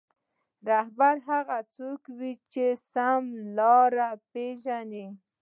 رهبر هغه څوک وي چې سمه لاره پېژني.